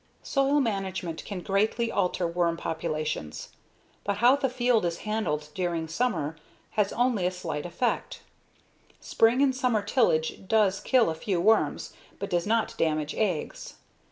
Soil management can greatly alter worm populations. But, how the field is handled during summer has only a slight effect. Spring and summer tillage does kill a few worms but does not damage eggs.